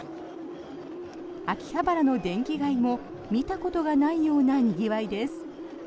秋葉原の電気街も見たことがないようなにぎわいです。